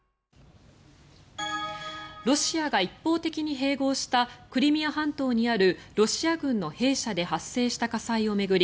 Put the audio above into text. ロシアが一方的に併合したクリミア半島にあるロシア軍の兵舎で発生した火災を巡り